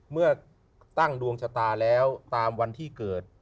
เมื่อตั้งดวงชะตาแล้วตามวันที่เกิด